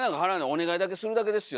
お願いだけするだけですよ